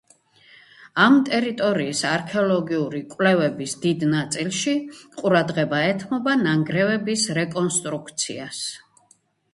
ამ ტერიტორიის არქეოლოგიური კვლევების დიდ ნაწილში ყურადღება ეთმობა ნანგრევების რეკონსტრუქციას.